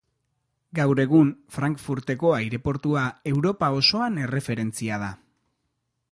Gaur egun Frankfurteko aireportua Europa osoan erreferentzia da.